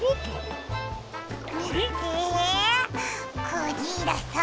クジラさん。